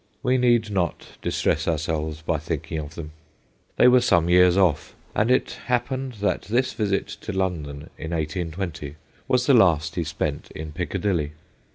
We need not distress ourselves by thinking of them. They were some years off, and it happened that this visit to London in 1820 was the last he spent in Piccadilly.